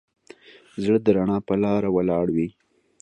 زړه د رڼا په لاره ولاړ وي.